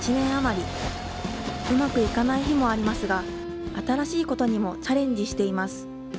うまくいかない日もありますが新しいことにもチャレンジしています。